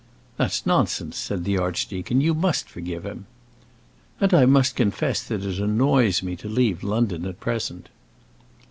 "That's nonsense," said the archdeacon. "You must forgive him." "And I must confess that it annoys me to leave London at present."